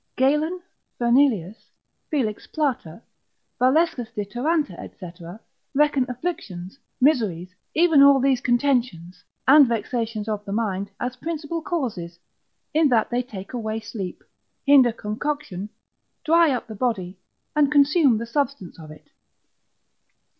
Galen, Fernelius, Felix Plater, Valescus de Taranta, &c., reckon afflictions, miseries, even all these contentions, and vexations of the mind, as principal causes, in that they take away sleep, hinder concoction, dry up the body, and consume the substance of it.